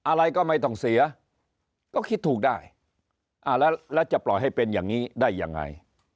อะไรก็ไม่ต้องเสียก็คิดถูกได้แล้วจะปล่อยให้เป็นอย่างนี้ได้ยังไง